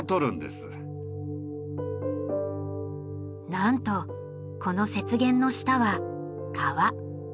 なんとこの雪原の下は川。